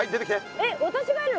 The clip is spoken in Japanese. えっ私がやるの？